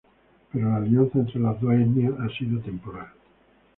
Pero la alianza entre las dos etnias ha sido temporal.